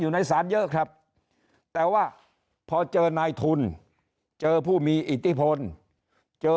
ในศาลเยอะครับแต่ว่าพอเจอนายทุนเจอผู้มีอิทธิพลเจอ